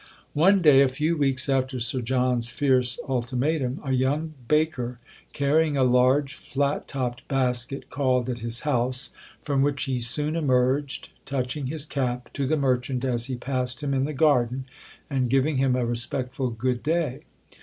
One day, a few weeks after Sir John's fierce ultimatum, a young baker, carrying a large flat topped basket, called at his house, from which he soon emerged, touching his cap to the merchant as he passed him in the garden, and giving him a respectful "good day."